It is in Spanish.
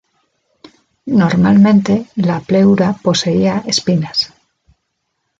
Normalmente la pleura poseía espinas.